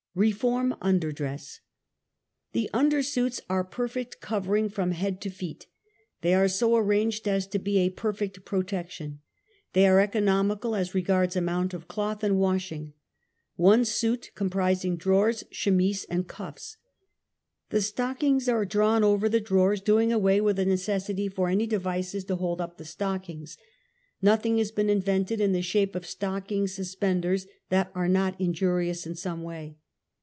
Reform Underdress. The undersuits are perfect covering from head to feet. They are so arranged as to be a perfect pro tection. They are economical as regards amount of cloth and washing. One suit comprising drawers,, chemise and cuffs. The stockings are drawn over the drawers, doing away with the necessity for any devices to hold up the stockings, l^othing has been invented in the shape of stockings suspenders that are not injurious in some way.